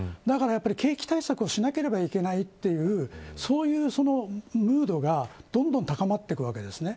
景気対策をしなければいけないというそういうムードがどんどん高まってくわけですね。